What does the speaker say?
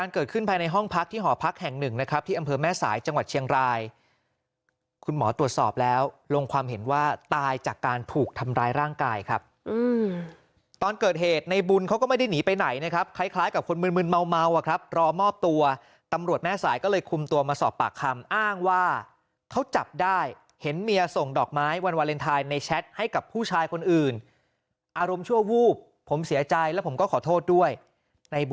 คุณหมอตรวจสอบแล้วลงความเห็นว่าตายจากการถูกทำร้ายร่างกายครับตอนเกิดเหตุในบุญเขาก็ไม่ได้หนีไปไหนนะครับคล้ายกับคนมืนเมาครับรอมอบตัวตำรวจแม่สายก็เลยคุมตัวมาสอบปากคำอ้างว่าเขาจับได้เห็นเมียส่งดอกไม้วันวาเลนไทยในแชทให้กับผู้ชายคนอื่นอารมณ์ชั่ววูบผมเสียใจแล้วผมก็ขอโทษด้วยใน